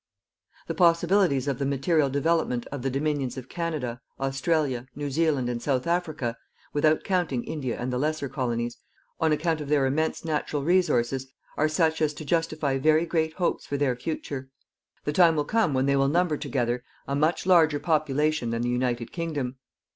The possibilities of the material development of the Dominions of Canada, Australia, New Zealand and South Africa without counting India and the lesser colonies on account of their immense natural resources, are such as to justify very great hopes for their future. The time will come when they will number together a much larger population than the United Kingdom.